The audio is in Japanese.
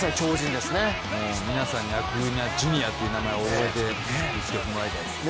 皆さんにはアクーニャ・ジュニアっていう名前を覚えていってもらいたいですね。